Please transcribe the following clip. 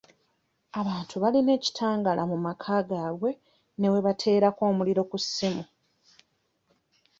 Abantu baalina ekitangaala mu maka gaabwe ne we bateerako omuliro ku ssimu.